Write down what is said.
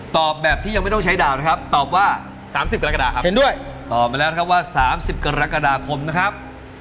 ตอบแบบที่ยังไม่ต้องใช้ดาวนะครับตอบว่า๓๐กรกฎาครับเห็นด้วยตอบมาแล้วนะครับว่า๓๐กรกฎาคมนะครับ